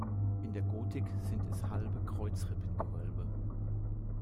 In der Gotik sind es halbe Kreuzrippengewölbe.